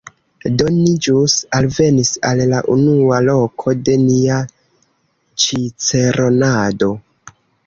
Do, ni ĵus alvenis al la unua loko de nia ĉiceronado